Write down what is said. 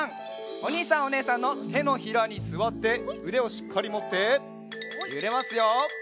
おにいさんおねえさんのてのひらにすわってうでをしっかりもってゆれますよ。